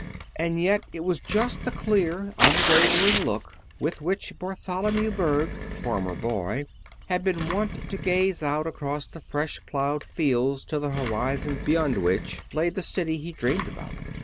And yet it was just the clear, unwavering look with which Bartholomew Berg, farmer boy, had been wont to gaze out across the fresh plowed fields to the horizon beyond which lay the city he dreamed about.